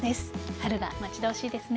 春が待ち遠しいですね。